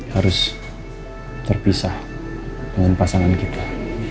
harus terpisah dengan pasangan kita